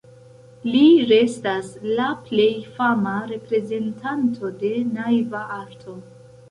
Li restas la plej fama reprezentanto de naiva arto.